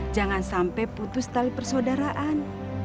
jangan sampai putus tali persaudaraan